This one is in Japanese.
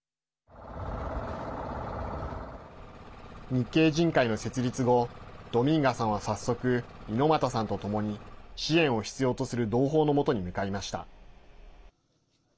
日系人会の設立後ドミンガさんは早速、猪俣さんとともに支援を必要とする同胞のもとに向かいました。